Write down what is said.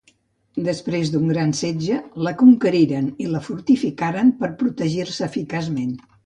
Després d'un gran setge, la conqueriren i la fortificaren per protegir-se eficaçment.